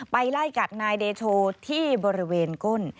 ไล่กัดนายเดโชที่บริเวณก้น